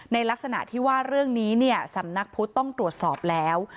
ในลักษณะที่ว่าเรื่องนี้เนี่ยสำนักพุทธต้องตรวจสอบแล้ว